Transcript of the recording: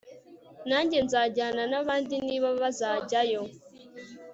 nanjye nzajyana nabandi niba bazajyayo